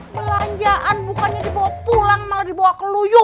melanjaan bukannya dibawa pulang malah dibawa keluyuran